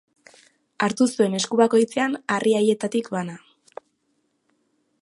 Hartu zuen esku bakoitzean harri haietatik bana.